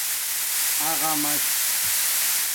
اغݳمس